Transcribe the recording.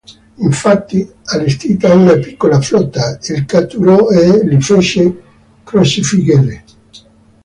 Infatti, allestita una piccola flotta, li catturò e li fece crocifiggere.